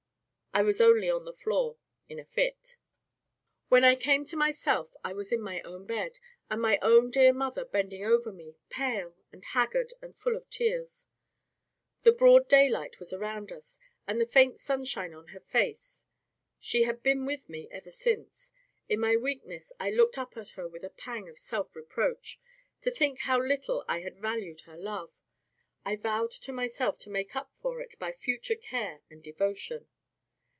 I was only on the floor, in a fit. When I came to myself, I was in my own bed, and my own dear mother bending over me, pale, and haggard, and full of tears. The broad daylight was around us, and the faint sunshine on her face. She had been with me ever since. In my weakness, I looked up at her with a pang of self reproach, to think how little I had valued her love; and I vowed to myself to make up for it by future care and devotion.